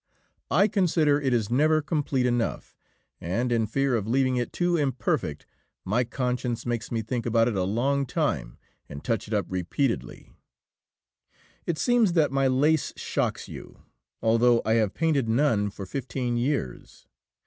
I consider it is never complete enough, and, in the fear of leaving it too imperfect, my conscience makes me think about it a long time and touch it up repeatedly. "It seems that my lace shocks you, although I have painted none for fifteen years.